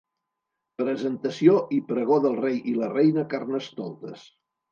Presentació i pregó del Rei i la Reina Carnestoltes.